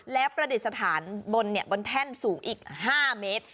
และประดิษฐานบนแท่นสูงอีก๕เมตร